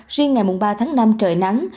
riêng ngày mùng ba tháng năm trời nắng